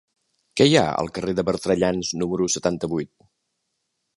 Què hi ha al carrer de Bertrellans número setanta-vuit?